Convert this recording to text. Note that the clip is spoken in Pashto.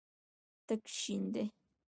تک شین دی.